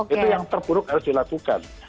itu yang terburuk harus dilakukan